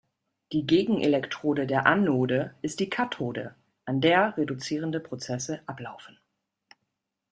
Die Gegenelektrode der Anode ist die Kathode, an der reduzierende Prozesse ablaufen.